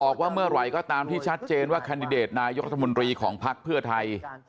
ว่าเมื่อไหร่ก็ตามที่ชัดเจนว่าแคนดิเดตนายกรัฐมนตรีของภักดิ์เพื่อไทย